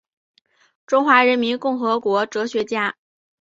中华人民共和国哲学家。